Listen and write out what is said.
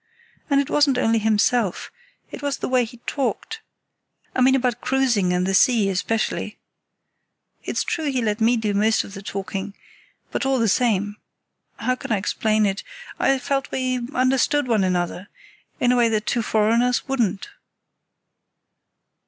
And it wasn't only himself, it was the way he talked—I mean about cruising and the sea, especially. It's true he let me do most of the talking; but, all the same—how can I explain it? I felt we understood one another, in a way that two foreigners wouldn't.